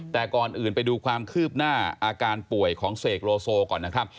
แต่ก่อนอื่นไปดูความคืบหน้าอาการป่วยของเสกโลโซก่อนนะครับ